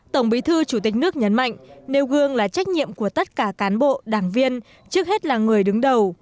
tổng bí thư chủ tịch nước nhấn mạnh nêu gương là trách nhiệm của tất cả cán bộ đảng viên trước hết là người đứng đầu